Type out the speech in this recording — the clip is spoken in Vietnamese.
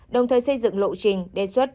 đồng thời xây dựng lộ trình đề xuất